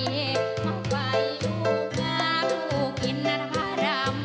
อยากกินจับปลอดน้ำและแตงโมง